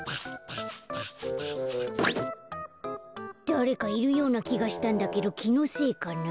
だれかいるようなきがしたんだけどきのせいかな。